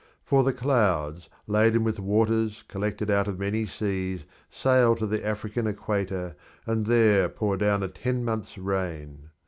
For the clouds, laden with waters collected out of many seas, sail to the African equator, and there pour down a ten months' rain.